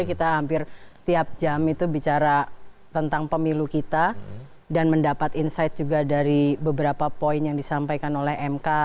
kita hampir tiap jam itu bicara tentang pemilu kita dan mendapat insight juga dari beberapa poin yang disampaikan oleh mk